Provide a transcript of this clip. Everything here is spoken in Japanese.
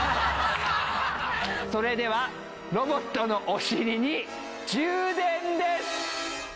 それではロボットのお尻に充電です！